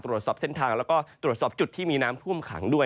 ตรวจสอบเส้นทางแล้วก็ตรวจสอบจุดที่มีน้ำท่วมขังด้วย